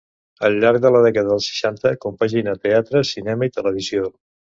Al llarg de la dècada dels seixanta, compagina teatre, cinema i televisió.